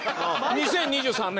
２０２３年。